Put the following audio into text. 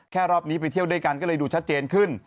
รอบนี้ไปเที่ยวด้วยกันก็เลยดูชัดเจนขึ้น